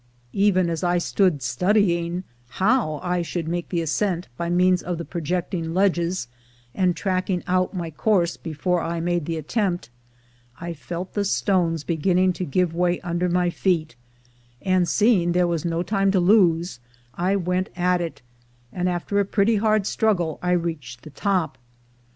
Even as I stood studying how I should make the ascent by means of the projecting ledges, and tracking out my course before I made the attempt, I felt the stones beginning to give way under my feet; and seeing there was no time to lose, I went at it, and after a pretty hard struggle I reached the top.